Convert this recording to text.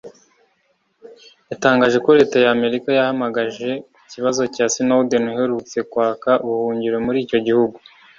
yatangaje ko Leta ya Amerika yabahamagaye ku kibazo cya Snowden uherutse kwaka ubuhungiro muri icyo gihugu